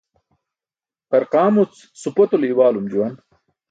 Qarqaamuc supotulo i̇waalum juwan.